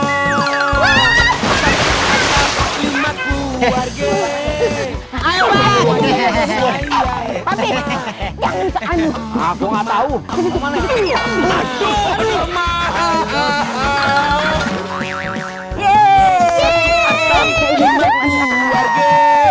asap lima keluarga